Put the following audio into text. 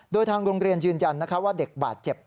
โดยทางโรงเรียนยืนยันว่าเด็กบาดเจ็บ